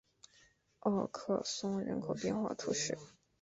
奥克松人口变化图示